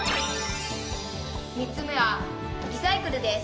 「３つ目はリサイクルです。